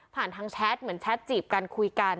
ผ่านทางแชตเหมือนแชตจีบกันขุยกัน